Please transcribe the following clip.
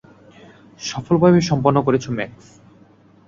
সফলভাবেই সম্পন্ন করেছো ম্যাক্স।